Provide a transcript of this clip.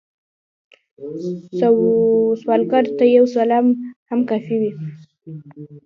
سوالګر ته یو سلام هم کافی وي